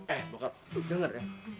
eh bokap dengar ya